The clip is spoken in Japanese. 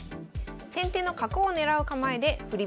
先手の角を狙う構えで振り